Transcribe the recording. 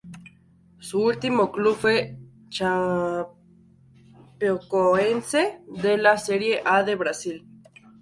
Su último club fue Chapecoense de la Serie A de Brasil.